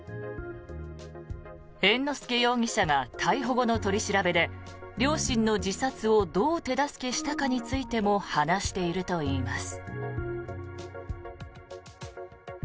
猿之助容疑者が逮捕後の取り調べで両親の自殺をどう手助けしたかについても話しているといいます。